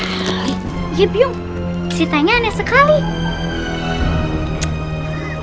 lihat saja kalau sampai ketahuan dia bohong